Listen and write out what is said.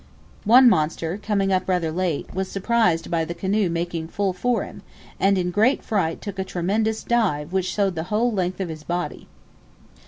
One monster, coming up rather late, was surprised by the canoe making full for him, and in great fright took a tremendous dive which showed the whole length of his body.